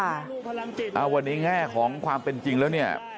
อ่าวันนี้แง่ของความเป็นจริงแล้วเนี่ย